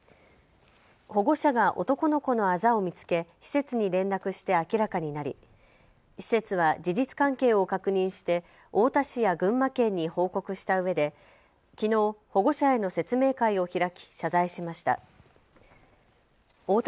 保護者が男の子のあざを見つけ施設に連絡して明らかになり施設は事実関係を確認して太田市や群馬県に報告したうえできのう保護者への説明会を開き謝罪しました。